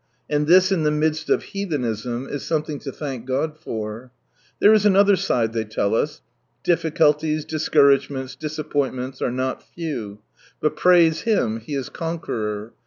And this in the midst of heathenism is some thing to thank God for. There is another side, they tell us. Difficuhies, dis couragements, disappointments, are not few ; but praise Him, He is Conqueror.